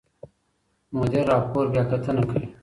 مدیر راپور بیاکتنه کوي.